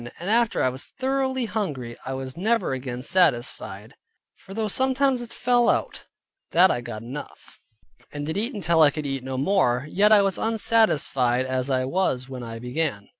And after I was thoroughly hungry, I was never again satisfied. For though sometimes it fell out, that I got enough, and did eat till I could eat no more, yet I was as unsatisfied as I was when I began.